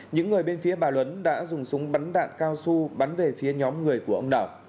những người bên phía bà luấn đã dùng súng bắn đạn cao su bắn về phía nhóm người của ông nào